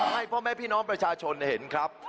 ให้พ่อแม่พี่น้องประชาชนเห็นครับ